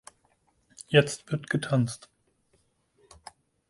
Jetzt wird getanzt.